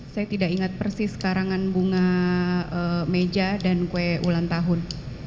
saya tidak ingat persis karangan bunga meja dan kue ulang tahun